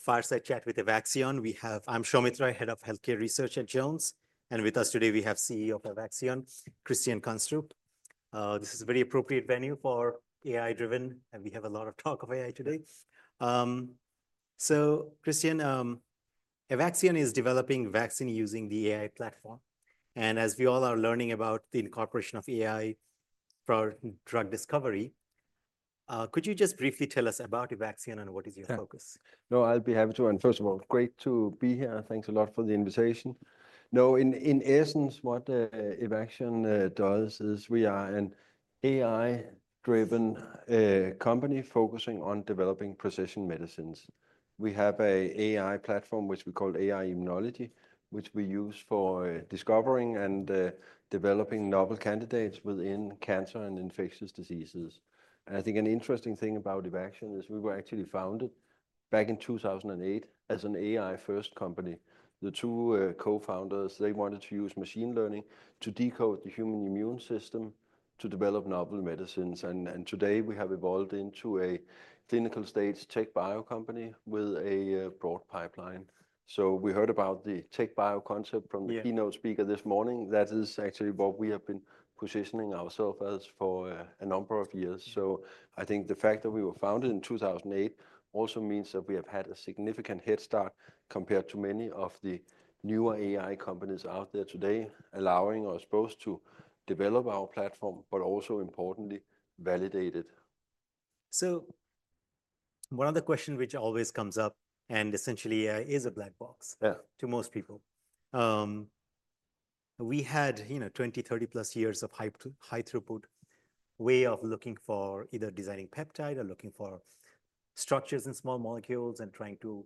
Far side chat with Evaxion. We have, I'm Suomit Roy, Head of Healthcare Research at Jones. And with us today, we have CEO of Evaxion, Christian Kanstrup. This is a very appropriate venue for AI-driven, and we have a lot of talk of AI today. Christian, Evaxion is developing vaccine using the AI platform. As we all are learning about the incorporation of AI for drug discovery, could you just briefly tell us about Evaxion and what is your focus? No, I'll be happy to. First of all, great to be here. Thanks a lot for the invitation. No, in essence, what Evaxion does is we are an AI-driven company focusing on developing precision medicines. We have an AI platform, which we call AI Immunology, which we use for discovering and developing novel candidates within cancer and infectious diseases. I think an interesting thing about Evaxion is we were actually founded back in 2008 as an AI-first company. The two co-founders, they wanted to use machine learning to decode the human immune system to develop novel medicines. Today we have evolved into a clinical stage tech bio company with a broad pipeline. We heard about the tech bio concept from the keynote speaker this morning. That is actually what we have been positioning ourselves as for a number of years. I think the fact that we were founded in 2008 also means that we have had a significant head start compared to many of the newer AI companies out there today, allowing us both to develop our platform, but also, importantly, validate it. One of the questions which always comes up, and essentially AI is a black box to most people. We had 20, 30 plus years of high-throughput way of looking for either designing peptide or looking for structures in small molecules and trying to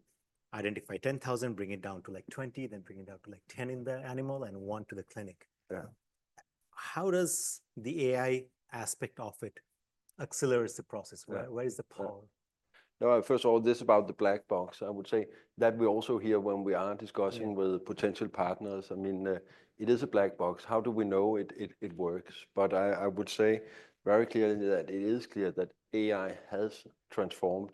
identify 10,000, bring it down to like 20, then bring it down to like 10 in the animal and one to the clinic. How does the AI aspect of it accelerate the process? Where is the power? No, first of all, this is about the black box. I would say that we also hear when we are discussing with potential partners, I mean, it is a black box. How do we know it works? I would say very clearly that it is clear that AI has transformed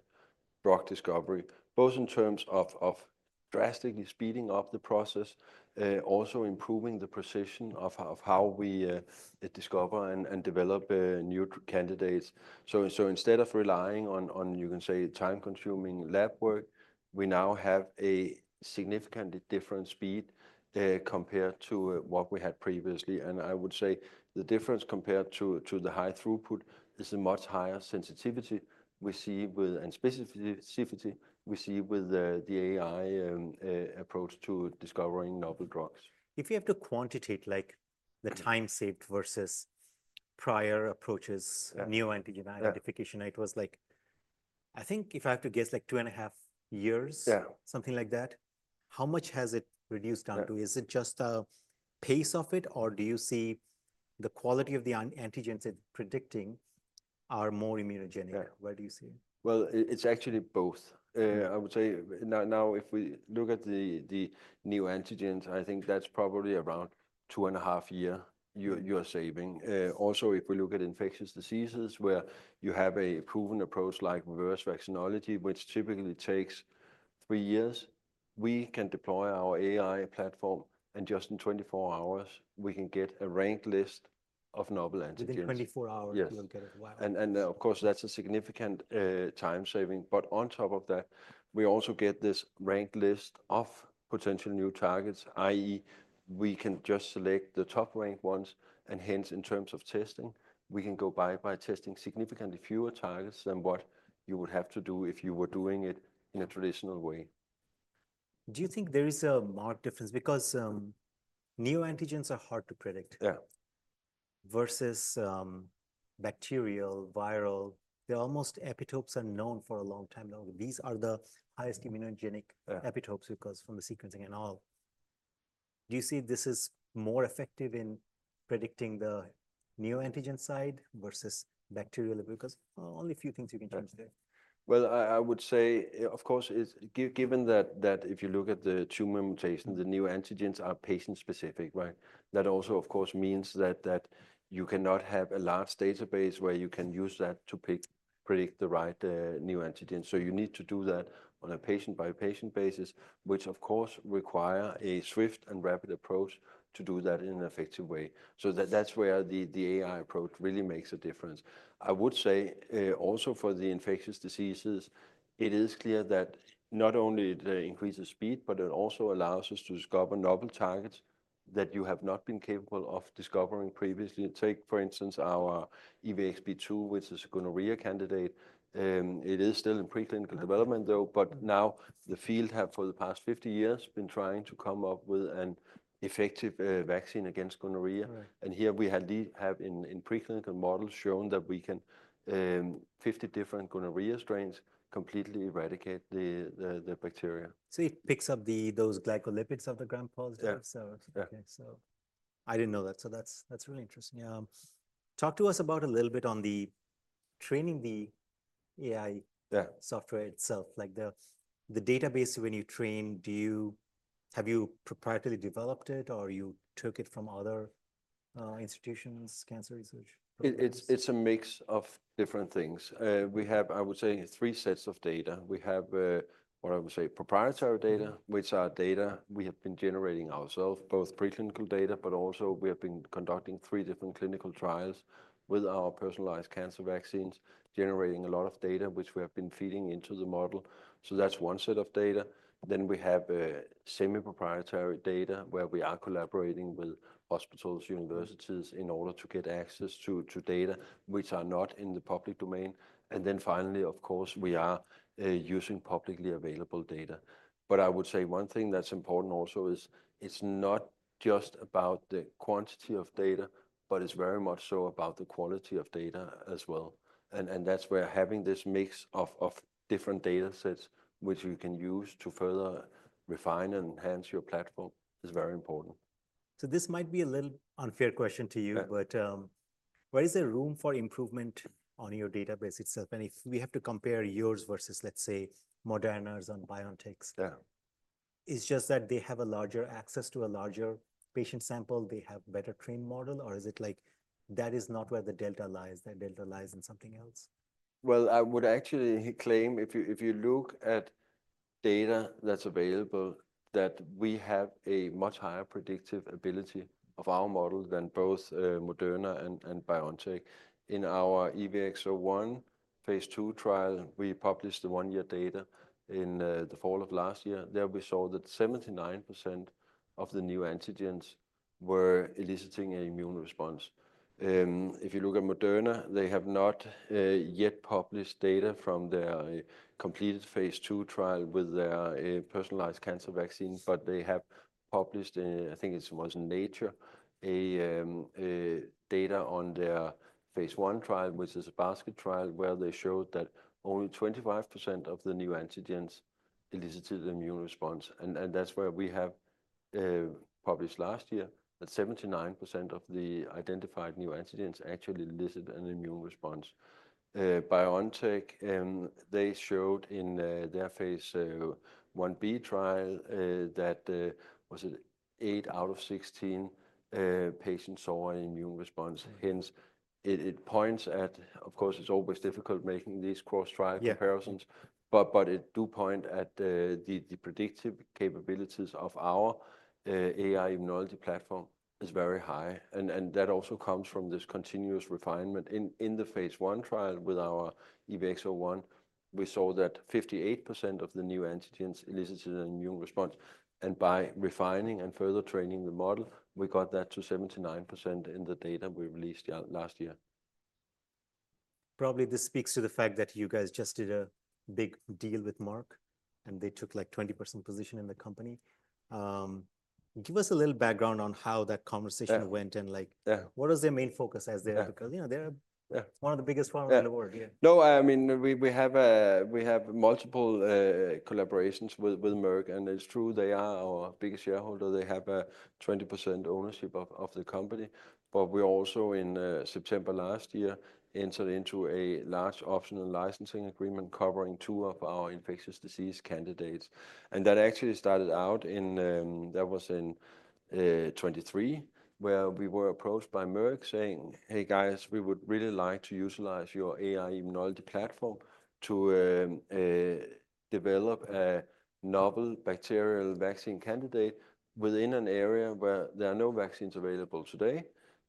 drug discovery, both in terms of drastically speeding up the process, also improving the precision of how we discover and develop new candidates. Instead of relying on, you can say, time-consuming lab work, we now have a significantly different speed compared to what we had previously. I would say the difference compared to the high throughput is a much higher sensitivity we see with, and specificity we see with the AI approach to discovering novel drugs. If you have to quantitate like the time saved versus prior approaches, new antigen identification, it was like, I think if I have to guess, like two and a half years, something like that. How much has it reduced down to? Is it just the pace of it, or do you see the quality of the antigens it's predicting are more immunogenic? Where do you see it? It's actually both. I would say now, if we look at the new antigens, I think that's probably around two and a half years you're saving. Also, if we look at infectious diseases where you have a proven approach like reverse vaccinology, which typically takes three years, we can deploy our AI platform, and just in 24 hours, we can get a ranked list of novel antigens. Within 24 hours, you'll get it. Wow. Of course, that's a significant time saving. On top of that, we also get this ranked list of potential new targets, i.e., we can just select the top ranked ones. Hence, in terms of testing, we can go by testing significantly fewer targets than what you would have to do if you were doing it in a traditional way. Do you think there is a marked difference? Because new antigens are hard to predict. Yeah. Versus bacterial, viral, they're almost epitopes unknown for a long time. These are the highest immunogenic epitopes because from the sequencing and all. Do you see this is more effective in predicting the new antigen side versus bacterial epitopes? Only a few things you can change there. I would say, of course, given that if you look at the tumor mutation, the neoantigens are patient-specific, right? That also, of course, means that you cannot have a large database where you can use that to predict the right neoantigen. You need to do that on a patient-by-patient basis, which of course requires a swift and rapid approach to do that in an effective way. That is where the AI approach really makes a difference. I would say also for the infectious diseases, it is clear that not only does it increase the speed, but it also allows us to discover novel targets that you have not been capable of discovering previously. Take, for instance, our EVX-B2, which is a gonorrhea candidate. It is still in preclinical development, though, but now the field has for the past 50 years been trying to come up with an effective vaccine against gonorrhea. Here we have in preclinical models shown that we can, in 50 different gonorrhea strains, completely eradicate the bacteria. It picks up those glycolipids of the gram-positive. Yeah. I didn't know that. That's really interesting. Talk to us about a little bit on the training the AI software itself, like the database when you train, have you proprietarily developed it or you took it from other institutions, cancer research? It's a mix of different things. We have, I would say, three sets of data. We have what I would say proprietary data, which are data we have been generating ourselves, both preclinical data, but also we have been conducting three different clinical trials with our personalized cancer vaccines, generating a lot of data, which we have been feeding into the model. So that's one set of data. Then we have semi-proprietary data where we are collaborating with hospitals, universities in order to get access to data, which are not in the public domain. Finally, of course, we are using publicly available data. I would say one thing that's important also is it's not just about the quantity of data, but it's very much so about the quality of data as well. That is where having this mix of different data sets, which you can use to further refine and enhance your platform, is very important. This might be a little unfair question to you, but where is there room for improvement on your database itself? If we have to compare yours versus, let's say, Moderna's and BioNTech's, is it just that they have access to a larger patient sample, they have a better trained model, or is it like that is not where the delta lies? That delta lies in something else? I would actually claim if you look at data that's available, that we have a much higher predictive ability of our model than both Moderna and BioNTech. In our Evaxion phase II trial, we published the one-year data in the fall of last year. There we saw that 79% of the new antigens were eliciting an immune response. If you look at Moderna, they have not yet published data from their completed phase II trial with their personalized cancer vaccine, but they have published, I think it was Nature, data on their phase I trial, which is a basket trial where they showed that only 25% of the new antigens elicited an immune response. That's where we have published last year that 79% of the identified new antigens actually elicited an immune response. BioNTech, they showed in their phase I-B trial that eight out of 16 patients saw an immune response. Hence, it points at, of course, it's always difficult making these cross-trial comparisons, but it does point at the predictive capabilities of our AI Immunology platform is very high. That also comes from this continuous refinement. In the phase I trial with our EVX-01, we saw that 58% of the neoantigens elicited an immune response. By refining and further training the model, we got that to 79% in the data we released last year. Probably this speaks to the fact that you guys just did a big deal with Merck and they took like 20% position in the company. Give us a little background on how that conversation went and what was their main focus as they're because they're one of the biggest pharma in the world. No, I mean, we have multiple collaborations with Merck, and it's true they are our biggest shareholder. They have a 20% ownership of the company. We also, in September last year, entered into a large optional licensing agreement covering two of our infectious disease candidates. That actually started out in, that was in 2023, where we were approached by Merck saying, "Hey guys, we would really like to utilize your AI Immunology platform to develop a novel bacterial vaccine candidate within an area where there are no vaccines available today,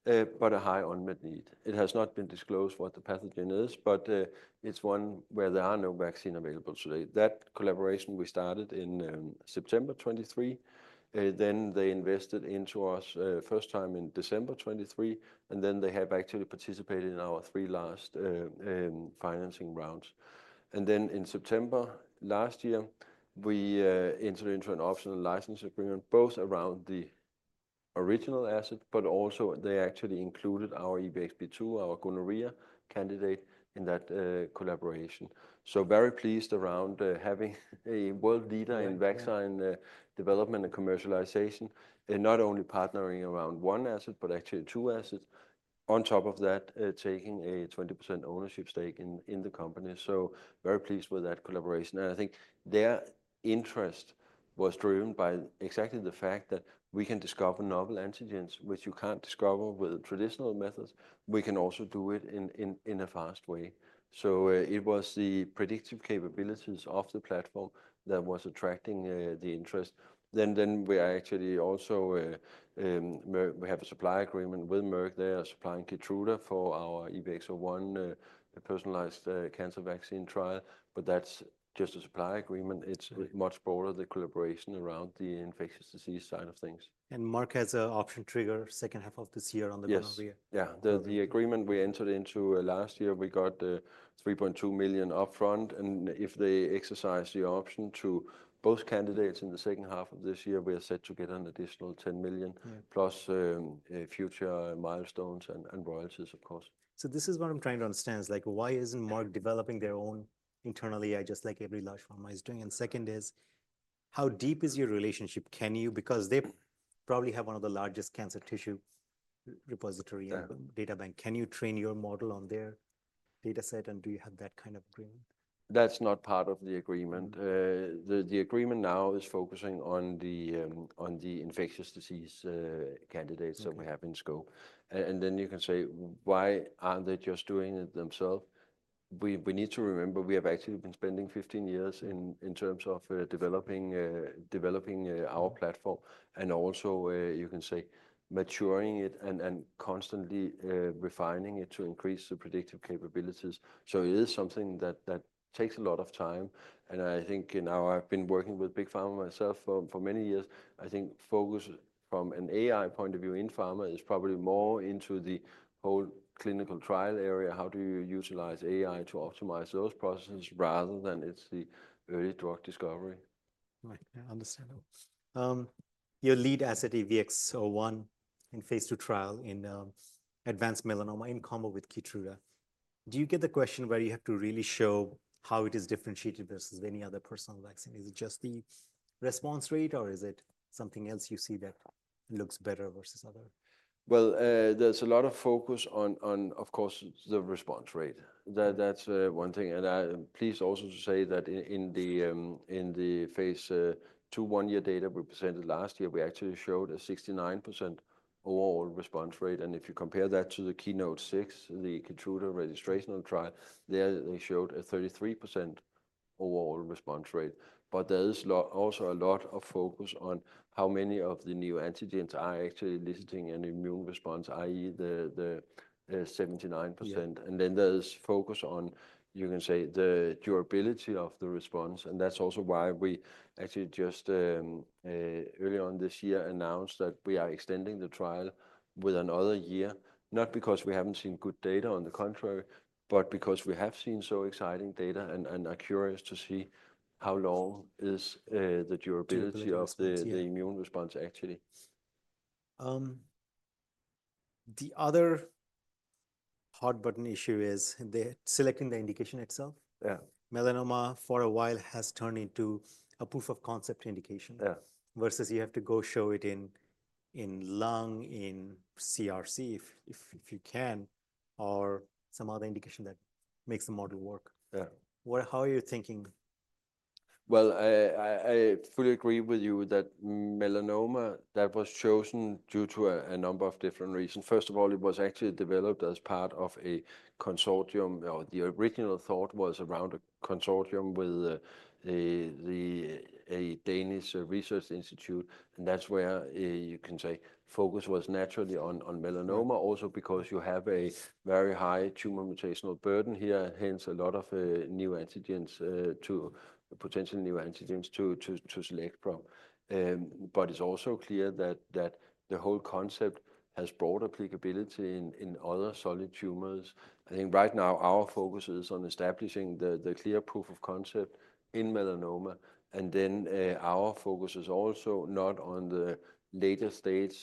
but a high unmet need." It has not been disclosed what the pathogen is, but it's one where there are no vaccines available today. That collaboration we started in September 2023. They invested into us first time in December 2023, and they have actually participated in our three last financing rounds. In September last year, we entered into an optional license agreement, both around the original asset, but also they actually included our EVX-B2, our gonorrhea candidate in that collaboration. Very pleased around having a world leader in vaccine development and commercialization, not only partnering around one asset, but actually two assets. On top of that, taking a 20% ownership stake in the company. Very pleased with that collaboration. I think their interest was driven by exactly the fact that we can discover novel antigens, which you can't discover with traditional methods. We can also do it in a fast way. It was the predictive capabilities of the platform that was attracting the interest. We actually also have a supply agreement with Merck. They are supplying Keytruda for our EVX-01 personalized cancer vaccine trial, but that's just a supply agreement. It's much broader, the collaboration around the infectious disease side of things. Merck has an option trigger second half of this year on the gonorrhea. Yeah, yeah. The agreement we entered into last year, we got $3.2 million upfront. If they exercise the option to both candidates in the second half of this year, we are set to get an additional $10 million plus future milestones and royalties, of course. This is what I'm trying to understand. Like why isn't Merck developing their own internal AI just like every large pharma is doing? Second is, how deep is your relationship? Can you, because they probably have one of the largest cancer tissue repository and data bank, can you train your model on their dataset and do you have that kind of agreement? That's not part of the agreement. The agreement now is focusing on the infectious disease candidates that we have in scope. You can say, why aren't they just doing it themselves? We need to remember we have actually been spending 15 years in terms of developing our platform and also you can say maturing it and constantly refining it to increase the predictive capabilities. It is something that takes a lot of time. I think now I've been working with big pharma myself for many years. I think focus from an AI point of view in pharma is probably more into the whole clinical trial area. How do you utilize AI to optimize those processes rather than it's the early drug discovery? Right. I understand. Your lead asset EVX-01 in phase II trial in advanced melanoma in combo with Keytruda. Do you get the question where you have to really show how it is differentiated versus any other personal vaccine? Is it just the response rate or is it something else you see that looks better versus other? There is a lot of focus on, of course, the response rate. That's one thing. I am pleased also to say that in the phase II one-year data we presented last year, we actually showed a 69% overall response rate. If you compare that to the KEYNOTE-006, the Keytruda registration trial, there they showed a 33% overall response rate. There is also a lot of focus on how many of the neoantigens are actually eliciting an immune response, i.e., the 79%. There is focus on, you can say, the durability of the response. That is also why we actually just early on this year announced that we are extending the trial with another year, not because we have not seen good data, on the contrary, but because we have seen so exciting data and are curious to see how long is the durability of the immune response actually. The other hot button issue is selecting the indication itself. Yeah. Melanoma for a while has turned into a proof of concept indication versus you have to go show it in lung, in CRC if you can, or some other indication that makes the model work. How are you thinking? I fully agree with you that melanoma was chosen due to a number of different reasons. First of all, it was actually developed as part of a consortium. The original thought was around a consortium with a Danish research institute. That is where you can say focus was naturally on melanoma, also because you have a very high tumor mutational burden here, hence a lot of new antigens to potentially new antigens to select from. It is also clear that the whole concept has broad applicability in other solid tumors. I think right now our focus is on establishing the clear proof of concept in melanoma. Our focus is also not on the later stage,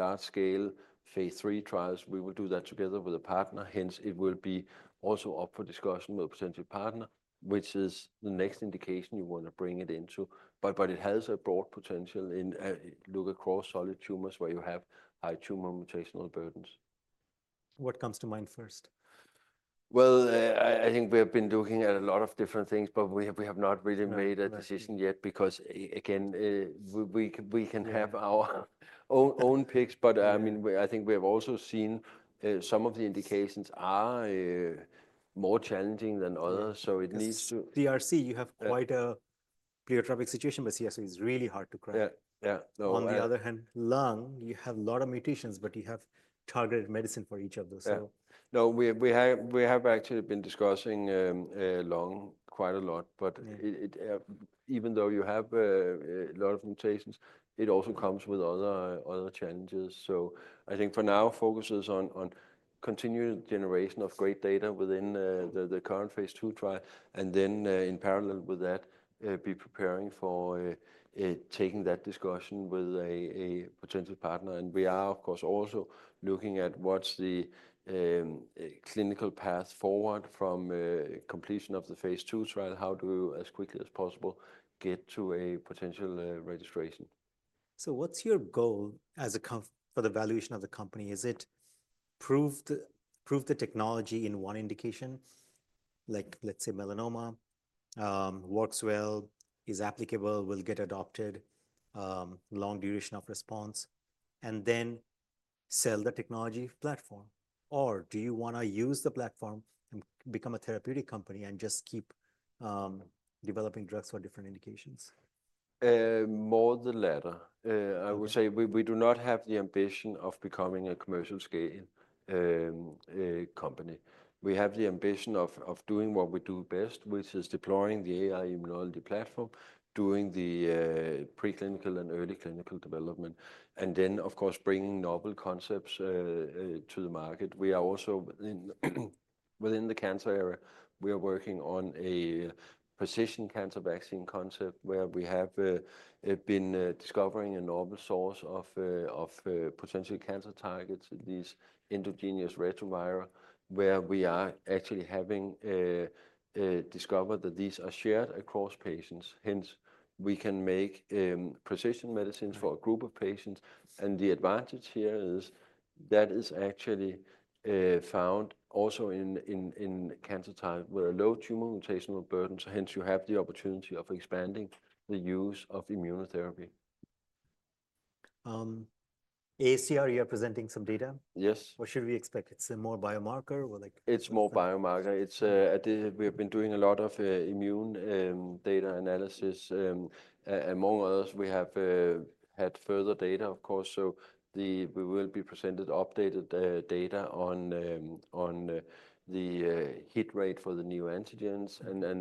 large scale phase III trials. We will do that together with a partner. Hence, it will be also up for discussion with a potential partner, which is the next indication you want to bring it into. It has a broad potential in look across solid tumors where you have high tumor mutational burdens. What comes to mind first? I think we have been looking at a lot of different things, but we have not really made a decision yet because again, we can have our own picks. I mean, I think we have also seen some of the indications are more challenging than others. It needs to. CRC, you have quite a pleiotropic situation, but CRC is really hard to crack. Yeah, yeah. On the other hand, lung, you have a lot of mutations, but you have targeted medicine for each of those. No, we have actually been discussing lung quite a lot. Even though you have a lot of mutations, it also comes with other challenges. I think for now, focus is on continued generation of great data within the current phase II trial. In parallel with that, be preparing for taking that discussion with a potential partner. We are, of course, also looking at what's the clinical path forward from completion of the phase II trial, how do we as quickly as possible get to a potential registration. What's your goal for the valuation of the company? Is it prove the technology in one indication, like let's say melanoma works well, is applicable, will get adopted, long duration of response, and then sell the technology platform? Or do you want to use the platform and become a therapeutic company and just keep developing drugs for different indications? More the latter. I would say we do not have the ambition of becoming a commercial scale company. We have the ambition of doing what we do best, which is deploying the AI Immunology platform, doing the preclinical and early clinical development, and then, of course, bringing novel concepts to the market. We are also within the cancer area. We are working on a precision cancer vaccine concept where we have been discovering a novel source of potential cancer targets, these endogenous retroviral, where we are actually having discovered that these are shared across patients. Hence, we can make precision medicines for a group of patients. The advantage here is that is actually found also in cancer type with a low tumor mutational burden. Hence, you have the opportunity of expanding the use of immunotherapy. ACR, you are presenting some data? Yes. What should we expect? It's a more biomarker or like? It's more biomarker. We have been doing a lot of immune data analysis. Among others, we have had further data, of course. We will be presented updated data on the hit rate for the new antigens.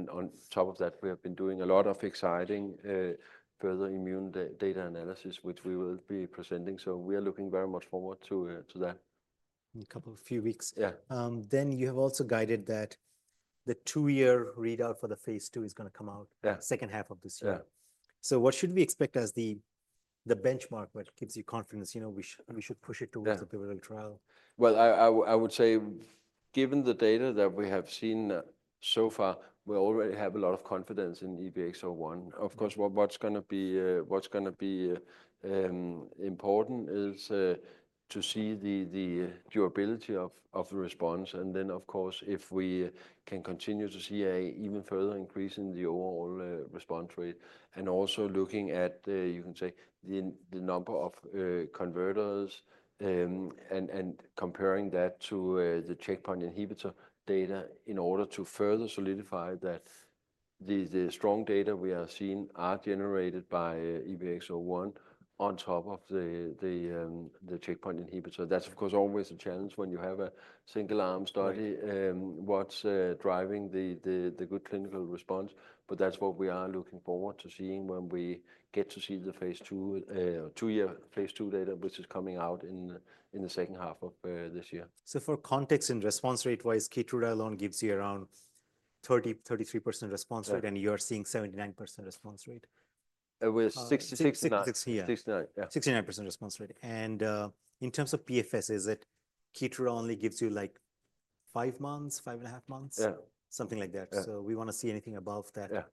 On top of that, we have been doing a lot of exciting further immune data analysis, which we will be presenting. We are looking very much forward to that. In a couple of weeks. Yeah. You have also guided that the two-year readout for the phase II is going to come out second half of this year. What should we expect as the benchmark that gives you confidence, you know, we should push it towards the pivotal trial? I would say given the data that we have seen so far, we already have a lot of confidence in EVX-01. Of course, what's going to be important is to see the durability of the response. And then, of course, if we can continue to see an even further increase in the overall response rate, and also looking at, you can say, the number of converters and comparing that to the checkpoint inhibitor data in order to further solidify that the strong data we are seeing are generated by EVX-01 on top of the checkpoint inhibitor. That's, of course, always a challenge when you have a single arm study, what's driving the good clinical response. That is what we are looking forward to seeing when we get to see the phase II, two-year phase II data, which is coming out in the second half of this year. For context and response rate-wise, Keytruda alone gives you around 30%-33% response rate, and you are seeing 79% response rate. We're 69. 69. 69. 69% response rate. In terms of PFS, is it Keytruda only gives you like five months, five and a half months? Yeah. Something like that. We want to see anything above that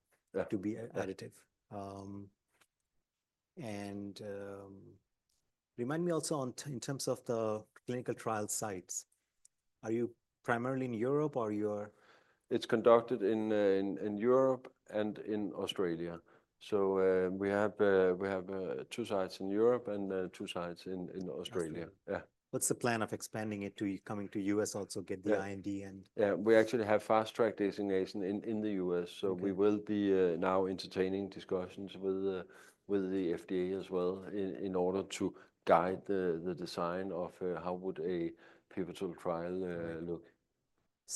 to be additive. Remind me also in terms of the clinical trial sites, are you primarily in Europe or you are? It's conducted in Europe and in Australia. We have two sites in Europe and two sites in Australia. Yeah. What's the plan of expanding it to coming to the U.S., also get the India? Yeah, we actually have fast track designation in the U.S.. We will be now entertaining discussions with the FDA as well in order to guide the design of how would a pivotal trial look.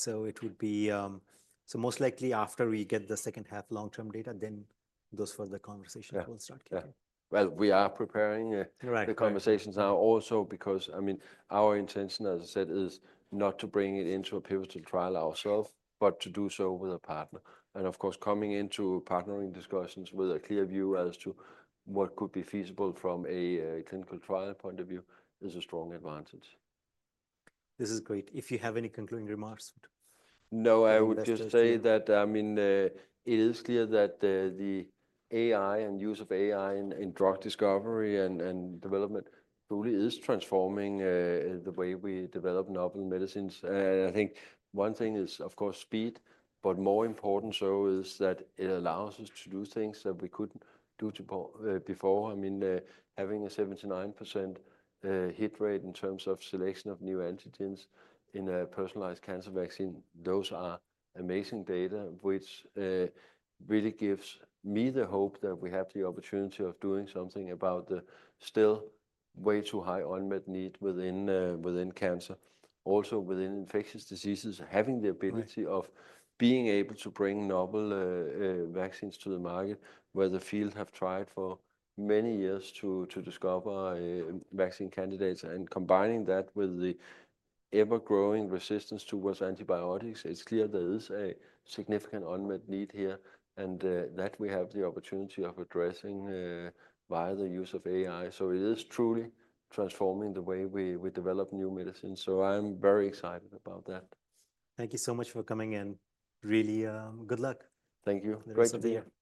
It would be so most likely after we get the second half long-term data, then those further conversations will start. Yeah. We are preparing the conversations now also because, I mean, our intention, as I said, is not to bring it into a pivotal trial ourselves, but to do so with a partner. Of course, coming into partnering discussions with a clear view as to what could be feasible from a clinical trial point of view is a strong advantage. This is great. If you have any concluding remarks. No, I would just say that, I mean, it is clear that the AI and use of AI in drug discovery and development truly is transforming the way we develop novel medicines. I think one thing is, of course, speed, but more important so is that it allows us to do things that we couldn't do before. I mean, having a 79% hit rate in terms of selection of new antigens in a personalized cancer vaccine, those are amazing data, which really gives me the hope that we have the opportunity of doing something about the still way too high unmet need within cancer. Also within infectious diseases, having the ability of being able to bring novel vaccines to the market where the field has tried for many years to discover vaccine candidates and combining that with the ever-growing resistance towards antibiotics, it's clear there is a significant unmet need here and that we have the opportunity of addressing via the use of AI. It is truly transforming the way we develop new medicines. I'm very excited about that. Thank you so much for coming and really good luck. Thank you. Great to be here. Thank you.